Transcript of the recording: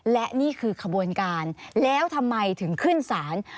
และนี่คือขบวนการแล้วทำไมถึงขึ้นศาล